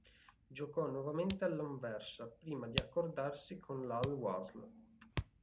Giocò nuovamente all'Anversa, prima di accordarsi con l'Al-Wasl.